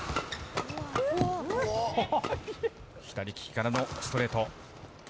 左利きからのストレート。